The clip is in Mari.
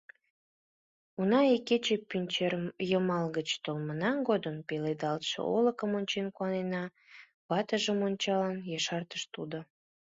Уна, икече Пӱнчерйымал гыч толмына годым пеледалтше олыкым ончен куаненна, — ватыжым ончалын, ешарыш тудо.